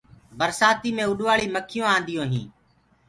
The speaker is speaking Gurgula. برسآتي مي اُڏوآݪ مکيونٚ آنيونٚ هينٚ۔